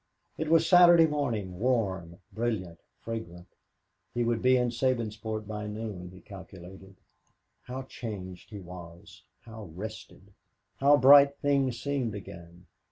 It was Saturday morning, warm, brilliant, fragrant. He would be in Sabinsport by noon, he calculated. How changed he was! How rested! How bright things seemed again!